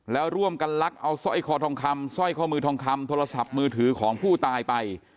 แล้วร่วมกันลักเอาสร้อยคอทองคำสร้อยข้อมือทองคำโทรศัพท์มือถือของผู้ตายไป